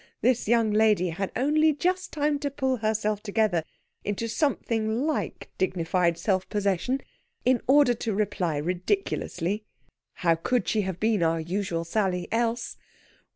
this young lady had only just time to pull herself together into something like dignified self possession, in order to reply ridiculously how could she have been our usual Sally, else?